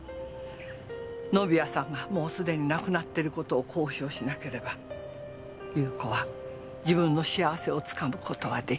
宣也さんがもう既に亡くなってる事を公表しなければ優子は自分の幸せをつかむ事は出来ない。